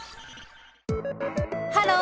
ハロー！